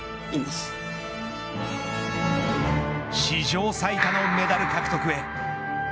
史上最多のメダル獲得へ。